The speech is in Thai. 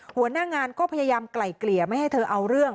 หัวหน้างานก็พยายามไกล่เกลี่ยไม่ให้เธอเอาเรื่อง